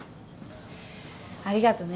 ありがとね。